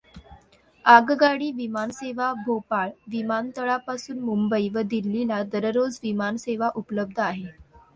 आगगाडी विमानसेवा भोपाळ विमानतळापासून मुंबई व दिल्लीला दररोज विमानसेवा उपलब्ध आहे.